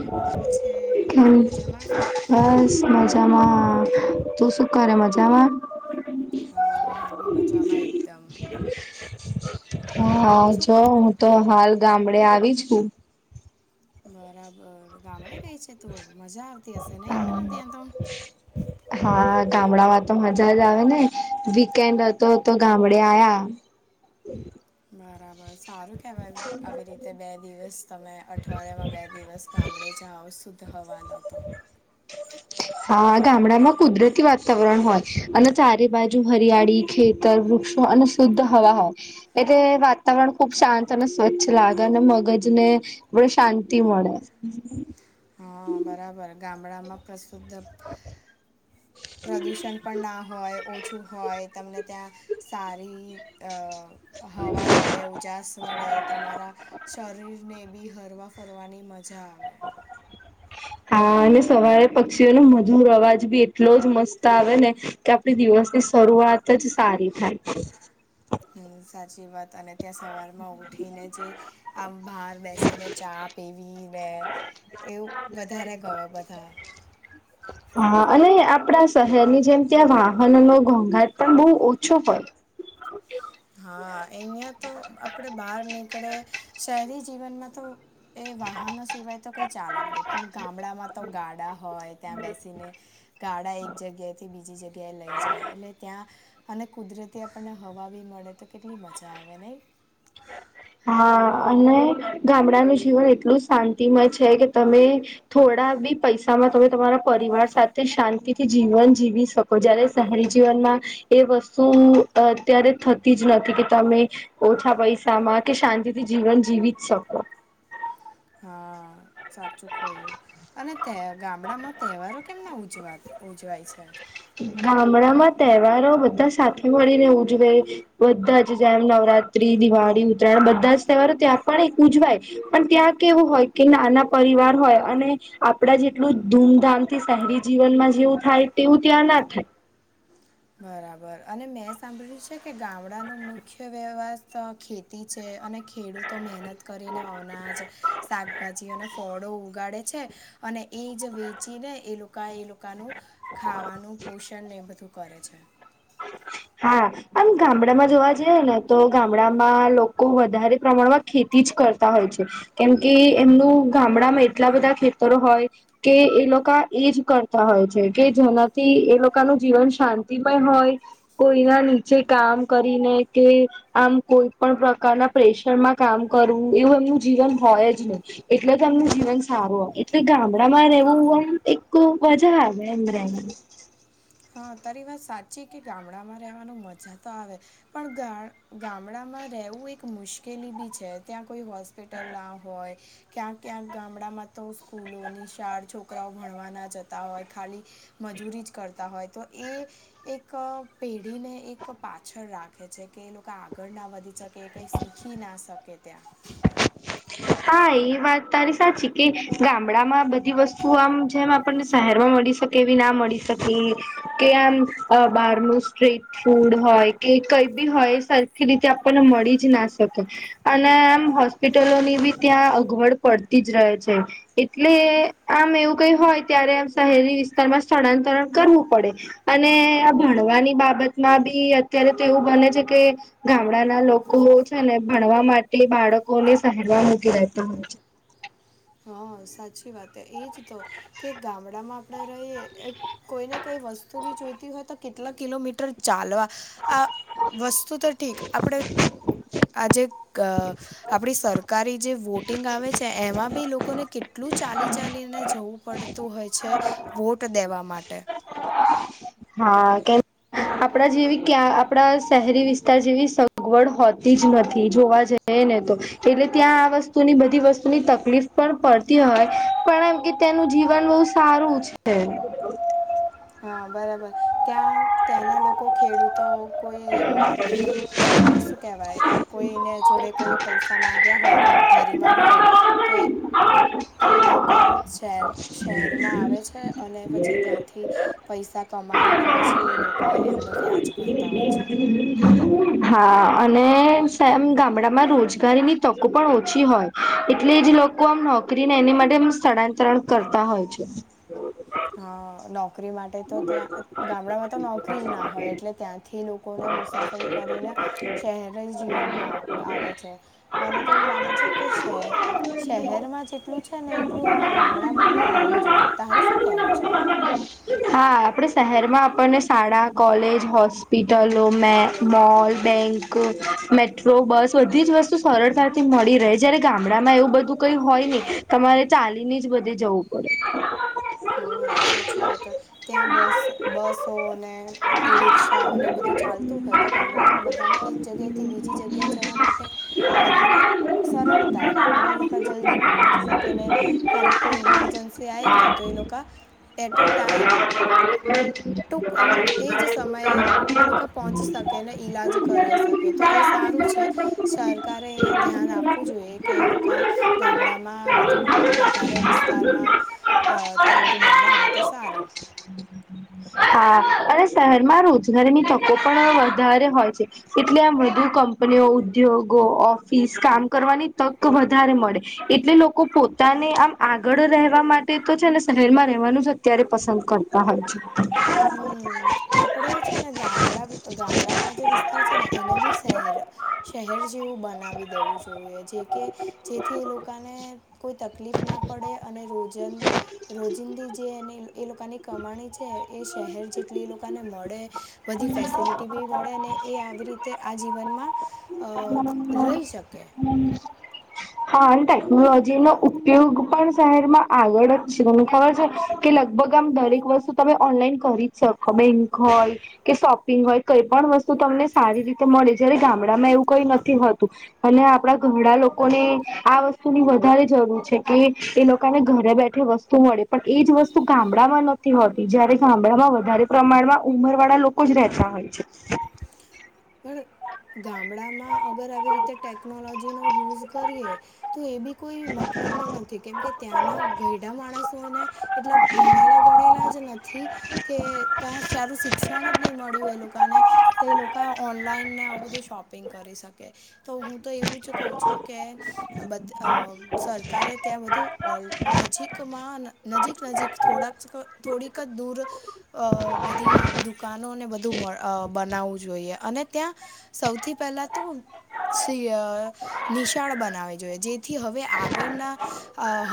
Hello કેમ છે મજામાં? બસ મજામાં તું શું કરે મજામાં હા, હું બી મજામાં એકદમ હા, શું આજે હું તો હાલ ગામડે આવી છું. બરાબર ગામડે ગઈ છે તું મજા આવતી હશે નહી તને ત્યાં તો [unintelligible] હા, ગામડામાં તો મજા જ આવે ને વીકેન્ડ હતો તો ગામડે આયા બરાબર સારું કેવાય આવી રીતે તે બે દિવસ તમે અઠવાડિયામાં બે દિવસ ગામડે જાઓ શુદ્ધ હવાનો તો આ ગામડામાં કુદરતી વાતાવરણ હોય અને તારી બાજુ હરિયાળી છે વૃક્ષ અને શુદ્ધ હવા હોય એટલે વાતાવરણ ખુબ શાંત અને સ્વચ્છ લાગે અને મગજને વે શાંતિ મળે. હા, બરાબર ગામડામાં પ્રસુદ્ધ પ્રદૂષણ પણ ના હોય ઓછું હોય તમને ત્યાં સારી અ હવા મળે ઉજાસ મળે તમારા શરીરને બી હરવા ફરની મજા આવે. હા, અને સવારે પક્ષીઓનો મધુર અવાજ બી એટલો જ મસ્ત આવેને કે આપણી દિવસની શરૂઆત જ સારી થાય. હમ, સાચી વાત અને, ત્યાં સવારમાં ઉઠીને જે આમ બહાર બેસીને ચા પીવીને એવું વધારે ગવા બધા હા, અને આપણા શહેરની જેમ ત્યાં વાહનનો ઘોંઘાટ પણ બહુ ઓછો પય. હા અહંયા તો આપણે બહાર નીકળે શહેરી જીવનમાં તો એ વાહનો સિવાય તો કંઈ ચાલે જ નહીં પણ ગામડામાં તો ગાડા હોય ત્યાં બેસીને ગાડા એક જગ્યાએથી બીજી જગ્યાએ લઈ જાય એટલે ત્યાં અને કુદરતી આપણને હવા બી મળે તો કેટલી મજા આવે નહી. [unintelligible] હા, અને ગામડાનું જીવન એટલું શાંતિમય છે કે તમે થોડાબી પૈસામાં તમે તમારા પરિવાર સાથે શાંતિ થી જીવન જીવી શકો. જયારે શહેરી જીવનમાં એ વસ્તુ અત્યારે થતી જ નથી કે તમે ઓછા પૈસામાં કે શાંતિથી જીવન જીવી જ શકો. હા, સાચું કહ્યું. અને તે ગામડામાં તહેવારો કેમના ઉજવાત ઉજવાય છે. ગામડામાં તહેવારો બધા સાથે મળીને ઉજવે બધા જ જેમ નવરાત્રી દિવાળી ઉત્તરાયણ બધા જ તહેવારો ત્યાં પણ એક ઉજવાય પણ ત્યાં કેવું હોય કે નાના પરિવાર હોય અને આપડા જેટલું ધૂમધામથી શહેરી જીવનમાં જેવું થાય તેવું ત્યાં ના થાય. બરાબર અને મેં સાંભળ્યું છે કે ગામડાનો મુખ્ય વ્યવહાજ તો આ ખેતી છે અને ખેડૂતો મેનત કરીને અનાજ, શાકભાજી અને ફળો ઉગાળે છે અને એજ વેચીને એ લોકા એ લોકાનું ખાવાનું પોષણ ને બધું કરે છે. હા આમ ગામળામાં જોવા જિએ ને તો ગામળામાં લોકો વધારે પ્રમાણમાં ખેતી જ કરતા હોય છે કેમ કે એમનું ગામળામાં એટલા બધા ખેતરો હોય કે એ લોકા એ જ કરતા હોય છે કે જેનાથી એ લોકાનું જીવન શાંતિમય હોય કોઈના નીચે કામ કરીને કે આમ કોય પણ પ્રકારના પ્રેશરમાં કામ કરવું એવું એમનું જીવન હોય જ નય એટલે તો એમનું જીવન સારું હો, એટલે ગામળામાં રેવું અમ એક મજા આવે એમ રેવાની. હ તારી વાત સાચી કે ગામળામાં રેવાનું મજા તો આવે પણ ગા ગામળામાં રેવું એક મુશ્કેલી બી છે ત્યાં કોઈ હોસ્પિટલ ના હોય ક્યાંક ક્યાંક ગામળામાં તો સ્કૂલો નિશાળ છોકરાઓ ભણવા ના જતા હોય ખાલી મજૂરી જ કરતા હોય તો એ એક અ પેઢીને એક પાછળ રાખે છે કે એ લોકા આગળ ના વધી શ કે કઈ શીખી ના શકે ત્યાં. [inaudible] હા ઈ વાત તારી સાચી કે ગામળામાં બધી વસ્તુ આમ જેમ આપણને શેહેરમાં મળી શ કે એવી ના મળી શકે કે આમ અ બાર નું સ્ટ્રીટ ફૂડ હોય કે કઈ બી હોય એ સરખી રીતે આપણને મળી જ ના શકે અને આમ હોસ્પિટલોની બી ત્યાં અગવડ પળતી જ રહે છે એટલે આમ એવું કઈ હોય ત્યારે આમ શહેરી વિસ્તારમાં સ્થળાંતરણ કરવું પડે. અને આ ભણવાની બાબતમાં બી અત્યારે તો એવું બને છે કે ગામળાના લોકો છે ને ભણવા માટે બાળકોને શેહેરમાં મૂકી દેતા હોય છે. હ સાચી વાત એ એજ તો કે ગામળામાં આપળે રૈએ એ કોઈ ને કઈ વસ્તુ બી જોઈતી હોય તો કેટલા કિલોમીટર ચાલવા આ વસ્તુ તો ઠીક આપડે આજે ક આપળી સરકારી જે વોટિંગ આવે છે એમાં બી લોકોને કેટલું ચાલી ચાલીને જવું પડતું હોય છે વોટ દેવા માટે. હા કે આપળા જેવી ક્યાં આપળા શેહેરી વિસ્તાર જેવી સગવડ હોતી જ નથી જોવા જઈ એ ને તો એટલે ત્યાં આ વસ્તુની બધી વસ્તુની તકલીફ પણ પળતી હોય પણ એમ કે તેનું જીવન બો સારું છે. હા બરાબર ત્યાં ત્યાંના લોકો ખેડૂતો કોઈ અ અ શું કેવાય કોયને જોડે કોએ પૈસા માગ્યા હોય અને ઉધારીમાં હોય તો એ તો એ લોકા શેર શેહેરમાં આવે છે અને પછી ત્યાંથી પૈસા કમાઈને પછી એ લો [inaudible] હા અને સેમ ગામળામાં રોજગારીની તકો પણ ઓછી હોય એટલે જે લોકો આમ નો ક્રી ને એની માટે અમ સ્થળાંતરણ કરતા હોય છે. હા નો ક્રી માટે તો ત્યાં અ ગામળામાં તો નોકરી જ ના હોય એટલે ત્યાંથી લોકોને મુસાફ ર કરીને શેહેરય જીવનમાં અ આવે છે, મને તો એવું લાગે છે કે શેહેર શેહેરમાં જેટલું છે ને એટલું હવે ગામળામાં બી હોવું જોઈએ, તારું શું કેવું છે? હા આપણે શહેરમાં આપણને શાળા કોલેજ હોસ્પિટલો મે મોલ બેન્ક મેટ્રો બસ બધી જ વસ્તુ સરળતાથી મળી રહે જયારે ગામડામાં એવું બધું કઈ હોય ની તમારે ચાલીને જ બધે જવું પડે. હ સાચી વાત. ત્યાં બસ બસોને રિક્ષાઓને બધું ચાલ તું હોય, તો ગામડામાં બધાને એક જગ્યા થી બીજી જગ્યા જવા માટે બધાને સરળતા રહે અને એ લોકો જલ્દી બી પહોંચી શકેને ક્યારેક કોઈ ઇમરજન્સી આઈ ગઈ તો એ લોકા એટેક [inaudible] બેન ટૂક સમય એ જ સમયે એ લોકો પહોંચી શકે ને ઈલાજ કરાવી શકે તો એ સારું છે. સરકારે અહિયાં ધ્યાન આપવું જોઈએ, કે એ લોકા ગામડામાં બધુ વધારે વિસ્તારમાં અ તે બધું બનાવે. તો સારું. હા અને શહેરમાં રોજગારીની તકો પણ વધારે હોય છે. એટલે આમ વધુ કંપનીઓ ઉદ્યોગો ઓફિસ કામ કરવાની તક વધારે મળે. એટલે લોકો પોતાને આમ, આગળ રહેવા માટે તો છે, ને શહેર માં રહેવાનું જ અત્યારે પસંદ કરતા હોય છે. હમ્મ. આપડે છે ને ગામડા ગામડાઓના જે વિસ્તાર છે, ને એને બી શહેર શહેર જેવું બનાવી દેવું જોઈએ, જે કે જેથી એ લોકોને કોઈ તકલીફ ના પડે અને રોજ રોજિંદી જે એને એ લોકાની કમાણી છે, એ શહેર જેટલી એ લોકોને મળે બધી ફેસિલિટી બી મળે ને એ આવી રીતે, આ જીવનમાં અ રહી શકે. હા અને ટેકનોલોજી નો ઉપયોગ પણ, શહેરમાં આગળ જ છે તને ખબર છે. કે લગભગ આમ, દરેક વસ્તુ તમે ઓનલાઈન કરી જ શકો બેંક હોય કે શોપિંગ હોય, કઈ પણ વસ્તુ તમને સારી રીતે મળે જય્યારે ગામડામાં એવું કઈ નથી હોતું. અને આપડા ઘરડા લોકોને, આ વસ્તુની વધારે જરૂર છે, કે એ લોકોને ઘરે બેઠે વસ્તુ શું મળે પણ એ જ વસ્તુ ગામડામાં નથી હોતી, જયારે ગામડામાં વધારે પ્રમાણમાં ઉમર વાળા લોકો જ રેતા હોય છે. પણ ગામડામાં અગર આવી રીતે ટેકનોલોજીનો યુઝ કરીએ. તો એ બી કોઈ મતલબ ન નથી, કેમકે ત્યાંના ઘયડા માણસોને એટલે ભણેલા ગણેલા જ નથી. કે તા સારું શિક્ષણ જ નહી મળ્યું, એ લોકોને તો એ લોકો ઓનલાઈનને આવું બધું શોપિંગ કરી શકે તો, હું તો એવું જ કહું છું કે બદ અ સરકારે ત્યાં, બધું ઓ નજીકમાં નજીક નજીક થોડાક અ થોડીક જ દૂર અ બધી દુકાનોને બધું અ બનાવું જોઈએ અને ત્યાં સૌથી પહેલા તો અ નિશાળ બનાવી જોઈએ જેથી હવે, આગળના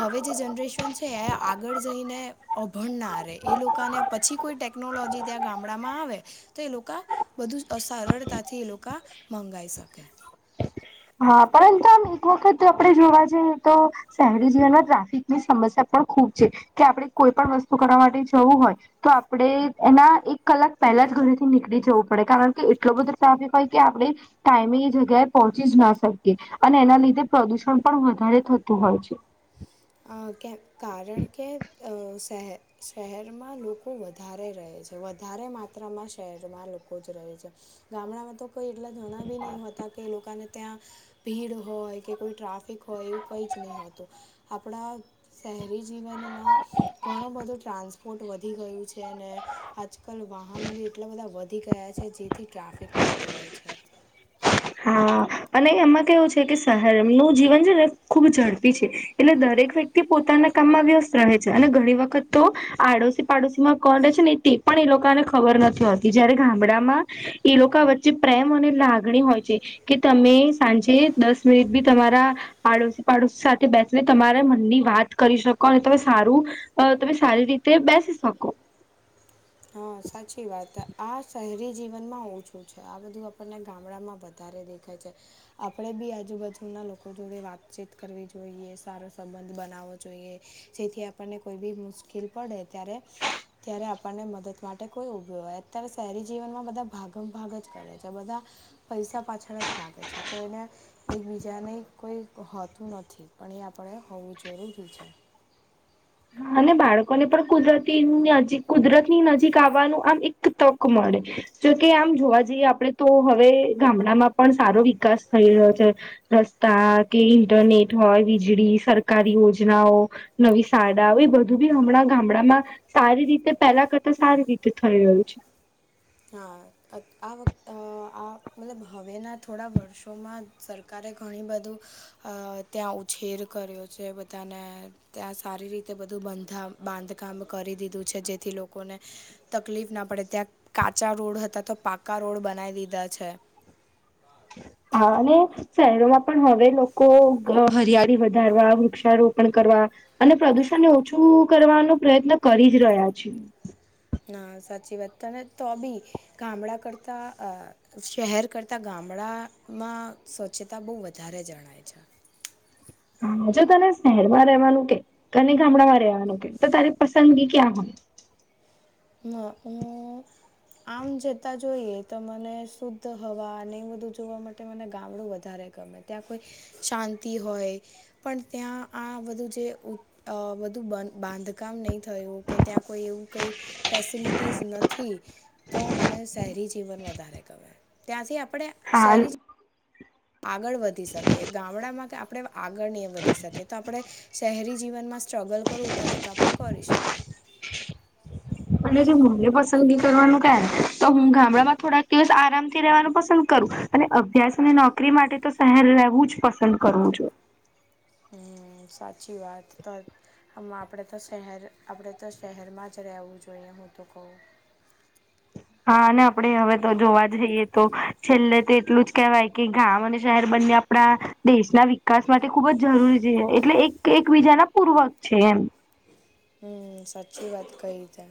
હવે જે જનરેશન છે. છે, આગળ જઈને અભણ ના રે એ લોકોને પછી, કોઈ ટેકનોલોજી ત્યાં ગામડામાં આવે તો એ લોકો બધું અ સરળતાથી, એ લોકા મંગાઈ શકે. હા, પરંતુ આમ એક વખત, આપણે જોવા જઈએ તો શહેરી જીવનમાં ટ્રાફિક ની સમસ્યા પણ ખૂબ છે, કે આપણે કોઈ પણ વસ્તુ કરવા માટે જવું હોય તો આપણે એના એક કલાક પહેલા જ ઘરેથી નીકળી જવું પડે, કારણ કે, એટલો બધો ર્ટાફિક હોય કે, આપણે.. ટાઈમિંગ એ જગ્યા પંહ ચીજ ના શકિએ અને એના લીધે પ્રદુષણ પણ વધારે થતું હોય છે. કેમ કારણ કે, અ શહેર શહેરમાં લોકો વધારે રહે છે. વધારે માત્રામાં શહેરમાં લોકો જ રહે છે, ગામડામાં તો.. કોઈ એટલા જણાવી ન હતા, કે એ લોકોને.. ત્યાં ભીડ હોય, કે કોઈ ટ્રાફિક હોય એવું, કઈ જ નહી હોતું.. આપણા શહેરી જીવનમાં.. ઘણો બધો ટ્રાન્સપોર્ટ વધી ગયું છે અને આજકાલ વાહનો બી એટલા બધા વધી ગયા છે જેથી ટ્રાફિક થતું હોય છે. હા અને એમાં કેવું છે કે શહેર નું જીવન છે ને ખુબ ઝડપી છે. એટલે દરેક વ્યક્તિ પોતાના કામમાં વ્યસ્ત રહે છે અને ઘણી વખત તો આડોશી પાડોશી માં કોળ રહે છે ને એ પણ એ લોકોને ખબર નથી હોતી જયારે ગામડામાં એ લોકો વચ્ચે પ્રેમ અને લાગણી હોય. કે તમે સાંજે દસ મિનિટ બી તમારા આડોશી પાડોશી સાથે બેસીને તમારા મનની વાત કરી શકો અને તમે સારું અ તમે સારી રીતે બેસી શકો. હા સાચી વાત આ શહેરી જીવનમાં ઓછું છે આ બધું આપણને ગામડામાં વ ધારે દેખાય છે. આપડે બી આજુબાજુ ના લોકો જોડે વાતચીત કરવી જોઈએ સારો સંબંધ બનાવો જોઈએ, જેથી આપને કોઈ ભી મુશકેલ પડે ત્યારે ત્યારે આપણને મદદ માટે કોઈ ઊભી હોય અત્યારે શહેરી જીવનમાં બધા ભાગ ભાગ જ કરે છે બધા. પૈસા પાછળ જ ભાગે છે કોઈને એકબીજાને કોઈ હોતું નથી પણ એ આપણે હોવું જરૂરી છે. હા અને બાળકોને પણ કુદરતી નજીક કુદરતની નજીક આવવાનું આમ એક તક મળે જોકે આમ જોવા જઈએ આપડણે તો હવે ગામડામાં પણ સારો વિકાસ થઈ રહ્યો છે. રસ્તા કે ઇન્ટરનેટ હોય વીજળી સરકારી યોજનાઓ નવી સાડાઓ બધું બી એ બી હમણાં ગામડામાં સારી રીતે પહેલા કરતા સારી રીતે થઈ રહ્યું છે. હા. આ આ મતલબ હવેના થોડા વર્ષોમાં સરકારે ઘણી બધું અ ત્યાં ઉછેર કર્યો છે બધાને ત્યાં સારી રીતે બધુંંધામ બાંધકામ કરી દીધું છે જેથી લોકોને તકલીફ ના ત્યાં કાચા રોડ હતા તો પાકા રોડ બનાવી દીધા છે. હા અને શહેરોમાં પણ હવે લોકો હરિયાળી વધારવા વૃક્ષારોપણ કરવા. અને પ્રદુષણને ઓછું કરવાનો પ્રયત્ન કરી જ રહ્યા છે. ના સાચી વાત તને તો બી ગામડા કરતાં શહેર કરતાં ગામડામાં સ્વચ્છતા બહુ વધારે જણાય છે. હા જો તને શહેરમાં રહેવાનું કે અને ગામડામાં રહેવાનું કે તો તારી પસંદગી ક્યાં હોય. ના હું આમ જતા જોઈએ તો મને શુદ્ધ હવા અને એ બધું જોવા માટે મને ગામડું વધારે ગમે ત્યાં કોઈ શાંતિ હોય પણ ત્યાં આ બધું જે અ બધું બાંધકામ નહીં થયું કે ત્યાં કોઈ એવું કઈ ફેસિલિટીઝ નથી, તો મને શહેરી જીવન વધારે ગમે ત્યાંથી આપડે હા. આગળ વધી શકે ગામડામાં કે આપણે આગળ નહીં વધી શકેએ તો આપણે શહેરી જીવનમાં સ્ટ્રગલ કરવું પડે તો આપણે કરી શકો. અને જે મારી પાસે પસંદગી કરવાનું કે તો હું ગામડામાં થોડાક દિવસ આરામથી રહેવાનું પસંદ કરું. અને અભ્યાસ અને નોકરી માટે તો શહેર રહેવું જ પસંદ કરવું જોઈએ. હમ્મ સાચી વાત તો હ આપણે તો શહેર આપણે તો શહેરમાં જ રહેવું જોઈએ હું તો કહું. હા અને આપણે હવે તો જોવા જઈએ તો છેલ્લે તો એટલું જ કેહેવાય કે ગામ અને શહેર બંને આપણા દેશના વિકાસ માટે ખૂબ જ જરૂરી છે એટલે એક એકબીજાના પૂર્વક છે એમ. હમ સાચી વાત કહી તે.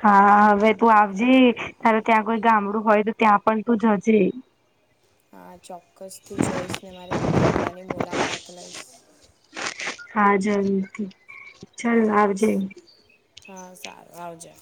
હા હવે તું આવજે તાર ત્યાં કોઈ ગામડું હોય તો ત્યાં પણ તું જજે. [inaudible] હા ચોક્કસથી જઈશ ને મારે ગામડાની મુલાકાત લઈશ. હા જરૂર, ચાલ આવજે. હા સારુ આવજે.